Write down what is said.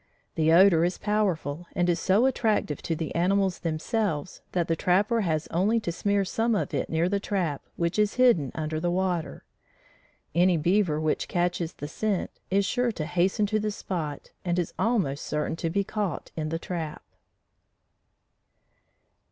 The odor is powerful and is so attractive to the animals themselves, that the trapper has only to smear some of it near the trap which is hidden under water. Any beaver which catches the scent, is sure to hasten to the spot and is almost certain to be caught in the trap.